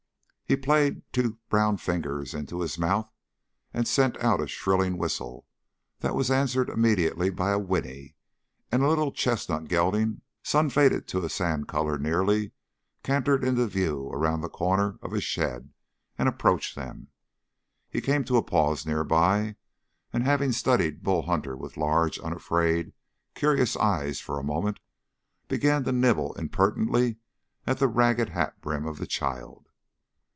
He played two brown fingers in his mouth and sent out a shrilling whistle that was answered immediately by a whinny, and a little chestnut gelding, sun faded to a sand color nearly, cantered into view around the corner of a shed and approached them. He came to a pause nearby, and having studied Bull Hunter with large, unafraid, curious eyes for a moment, began to nibble impertinently at the ragged hat brim of the child.